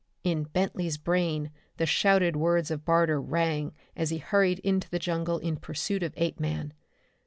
In Bentley's brain the shouted words of Barter rang as he hurried into the jungle in pursuit of Apeman.